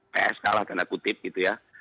ps kalah tanda kutip gitu ya